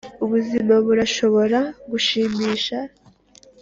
ubuzima burashobora gushimisha,